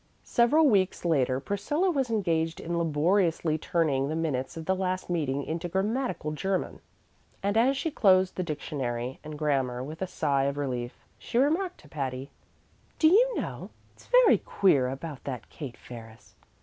Several weeks later Priscilla was engaged in laboriously turning the minutes of the last meeting into grammatical German, and as she closed the dictionary and grammar with a sigh of relief, she remarked to Patty: "Do you know, it's very queer about that Kate Ferris.